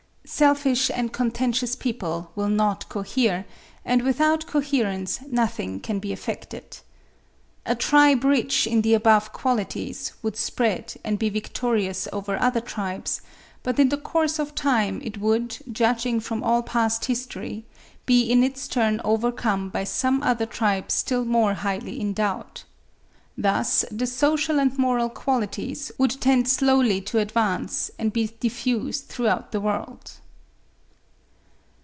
Selfish and contentious people will not cohere, and without coherence nothing can be effected. A tribe rich in the above qualities would spread and be victorious over other tribes: but in the course of time it would, judging from all past history, be in its turn overcome by some other tribe still more highly endowed. Thus the social and moral qualities would tend slowly to advance and be diffused throughout the world.